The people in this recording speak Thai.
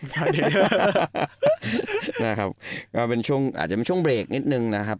ก็อาจจะเป็นช่วงเบรกนิดนึงนะครับ